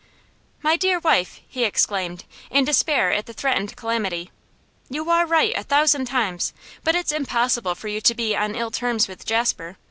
'My dear wife,' he exclaimed, in despair at the threatened calamity, 'you are right, a thousand times, but it's impossible for you to be on ill terms with Jasper.